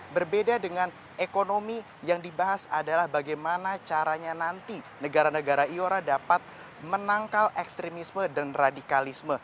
berbeda dengan ekonomi yang dibahas adalah bagaimana caranya nanti negara negara iora dapat menangkal ekstremisme dan radikalisme